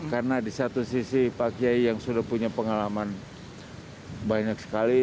karena di satu sisi pak kiai yang sudah punya pengalaman banyak sekali